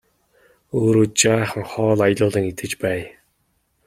Өөрөө жаахан хоол аялуулан идэж байя!